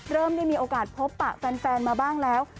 เริ่มได้มีโอกาสพบปะแฟนมาบ้างแล้ว